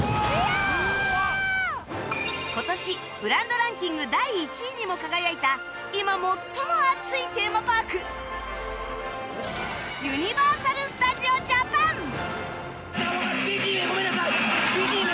今年ブランドランキング第１位にも輝いた今最も熱いテーマパークピーチ姫ごめんなさいね。